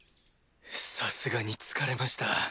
さすがに疲れました。